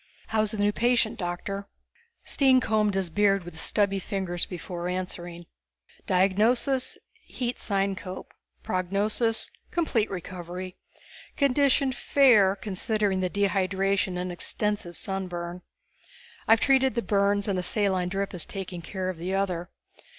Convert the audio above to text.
"How's the new patient, Doctor?" Stine combed his beard with stubby fingers before answering. "Diagnosis: heat syncope. Prognosis: complete recovery. Condition fair, considering the dehydration and extensive sunburn. I've treated the burns, and a saline drip is taking care of the other.